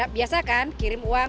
biasa kan kirim uang